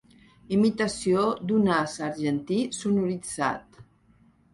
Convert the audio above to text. Imitació d'un as argentí sonoritzat.